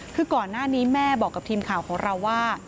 คือก่อนหน้านี้แม่บอกกับทีมข่าวของเราว่า